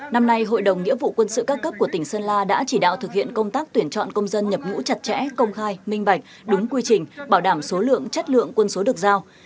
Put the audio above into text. năm nay hội đồng nghĩa vụ quân sự các cấp của tỉnh sơn la đã chỉ đạo thực hiện công tác tuyển chọn công dân nhập ngũ chặt chẽ công khai minh bạch đúng quy trình bảo đảm số lượng chất lượng quân số được giao